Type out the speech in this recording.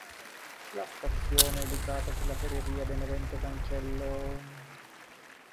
La stazione è ubicata sulla ferrovia Benevento-Cancello.